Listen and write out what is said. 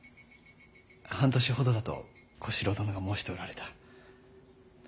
半年ほどだと小四郎殿が申しておられた。